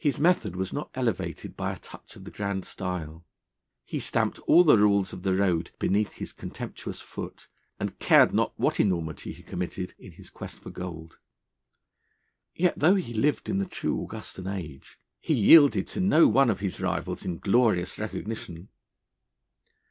His method was not elevated by a touch of the grand style. He stamped all the rules of the road beneath his contemptuous foot, and cared not what enormity he committed in his quest for gold. Yet, though he lived in the true Augustan age, he yielded to no one of his rivals in glorious recognition.